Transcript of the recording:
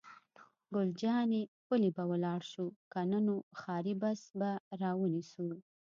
ګل جانې: پلي به ولاړ شو، که نه نو ښاري بس به را ونیسو.